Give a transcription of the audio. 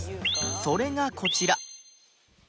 それがこちら